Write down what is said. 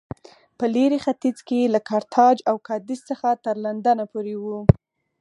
په لېرې ختیځ کې له کارتاج او کادېس څخه تر لندنه پورې و